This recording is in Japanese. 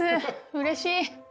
うれしい。